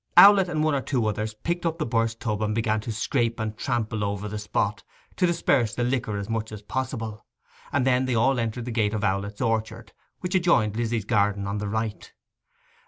Owlett and one or two others picked up the burst tub and began to scrape and trample over the spot, to disperse the liquor as much as possible; and then they all entered the gate of Owlett's orchard, which adjoined Lizzy's garden on the right.